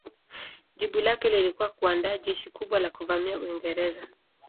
Jibu lake lilikuwa kuandaa jeshi kubwa la kuvamia Uingereza.